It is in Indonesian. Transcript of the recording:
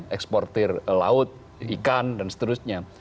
eksportir laut ikan dan seterusnya